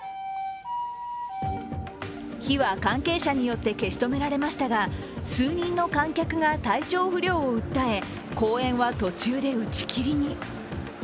火は関係者によって消し止められましたが数人の観客が体調不良を訴え公演は途中で打ち切りに。